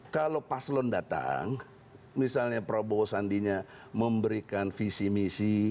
kalau paslon datang misalnya prabowo sandinya memberikan visi misi